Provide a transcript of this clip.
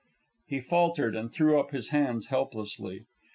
He faltered and threw up his hands helplessly.